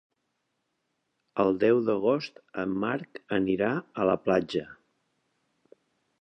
El deu d'agost en Marc anirà a la platja.